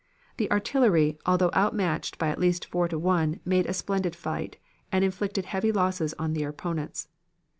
"The artillery, although outmatched by at least four to one, made a splendid fight, and inflicted heavy losses on their opponents.